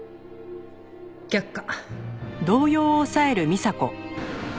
却下。